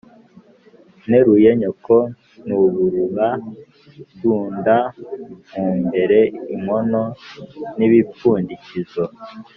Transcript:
Nteruye nyoko n'ubuhururu ndunda mu mbere-Inkono n'ibipfundikizo.